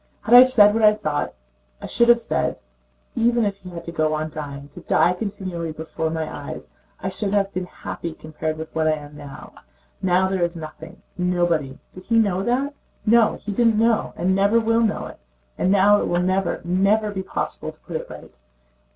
Had I said what I thought, I should have said: even if he had to go on dying, to die continually before my eyes, I should have been happy compared with what I am now. Now there is nothing... nobody. Did he know that? No, he did not and never will know it. And now it will never, never be possible to put it right."